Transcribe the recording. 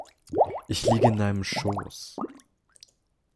Ich liege in deinem Schoß.